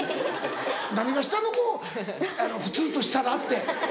何が下の子普通としたらって。